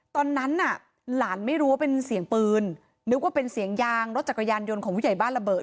ตอนนั้นน่ะหลานไม่รู้ว่าเป็นเสียงปืนนึกว่าเป็นเสียงยางรถจักรยานยนต์ของผู้ใหญ่บ้านระเบิด